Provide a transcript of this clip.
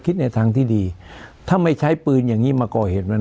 ในทางที่ดีถ้าไม่ใช้ปืนอย่างงี้มาก่อเหตุมัน